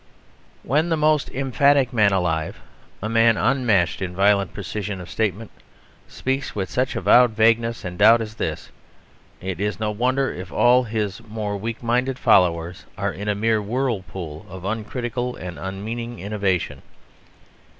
When the most emphatic man alive, a man unmatched in violent precision of statement, speaks with such avowed vagueness and doubt as this, it is no wonder if all his more weak minded followers are in a mere whirlpool of uncritical and unmeaning innovation.